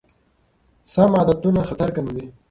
سم عادتونه خطر کموي.